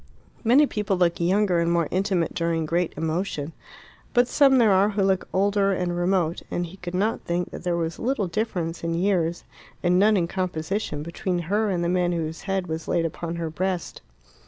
Many people look younger and more intimate during great emotion. But some there are who look older, and remote, and he could not think that there was little difference in years, and none in composition, between her and the man whose head was laid upon her breast.